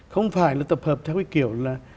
không phải là tập hợp theo cái kiểu là